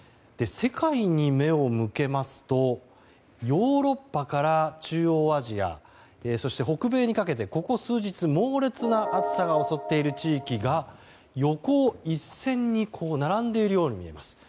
世界に目を向けますとヨーロッパから中央アジアそして北米にかけて、ここ数日猛烈な暑さが襲っている地域が横一線に並んでいるように見えます。